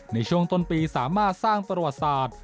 ในช่วงต้นปีสามารถสร้างประวัติศาสตร์